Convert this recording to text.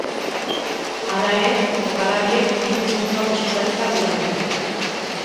Hala ere, jokalariek hiru puntuak eskuratzea gura dute.